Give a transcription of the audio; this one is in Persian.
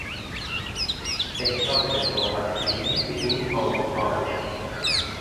احساس وابستگی به این آب و خاک